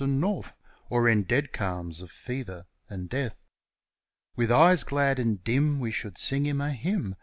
f and North. ~~ Or in dead calms of fever and death. With eyes glad and dim we should sing him a hymn.